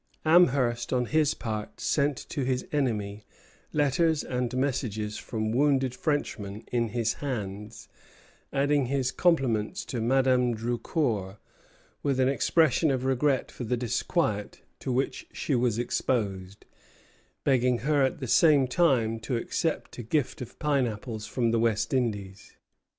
Amherst on his part sent to his enemy letters and messages from wounded Frenchmen in his hands, adding his compliments to Madame Drucour, with an expression of regret for the disquiet to which she was exposed, begging her at the same time to accept a gift of pineapples from the West Indies.